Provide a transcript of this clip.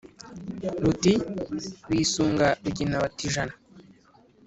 Ruti bisunga, Rugina batijana,